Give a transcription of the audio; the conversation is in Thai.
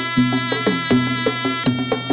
สวัสดีครับ